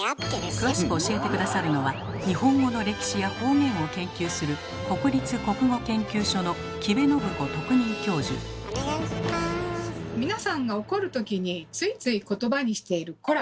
詳しく教えて下さるのは日本語の歴史や方言を研究する皆さんが怒るときについつい言葉にしている「コラ！」